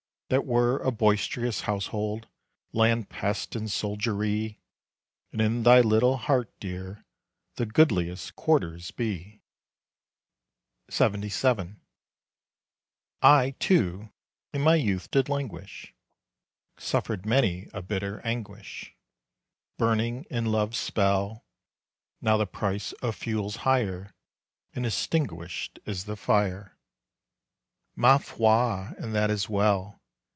That were a boisterous household, Landpests and soldiery! And in thy little heart, dear, The goodliest quarters be. LXXVII. I, too, in my youth did languish, Suffered many a bitter anguish, Burning in love's spell. Now the price of fuel's higher, And extinguished is the fire, Ma foi! and that is well.